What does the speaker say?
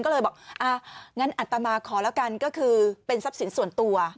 ก็เลยบอกอ่ะงั้นอัตมาขอแล้วกันก็คือเป็นทรัพย์สินส่วนตัว